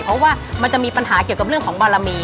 เพราะว่ามันจะมีปัญหาเกี่ยวกับเรื่องของบารมี